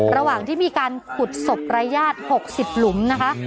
ระหว่างที่มีการขุดศพรายญาติ๖๐หลุมนะคะ